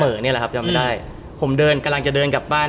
นี่แหละครับจำไม่ได้ผมเดินกำลังจะเดินกลับบ้าน